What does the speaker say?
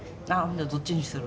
どっちにする？